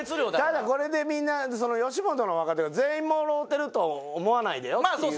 ただこれでみんな吉本の若手が全員もろうてると思わないでよっていう。